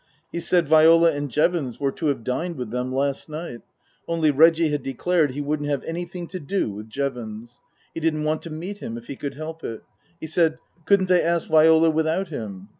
He said Viola and Jevons were to have dined with them last night, only Reggie had declared he wouldn't have anything to do with Jevons. He didn't want to meet him if he could help it. He said, Couldn't they ask Viola without him